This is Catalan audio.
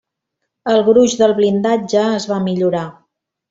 El gruix del blindatge es va millorar.